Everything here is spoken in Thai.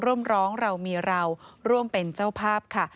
ร่วมร้องเรามีเราร่วมเป็นเจ้าภาพค่ะ